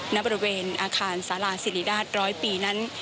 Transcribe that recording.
ในบริเวณอาคารศาลาศิริราชร้อยปีนั้น